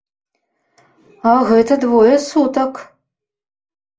А гэта двое сутак!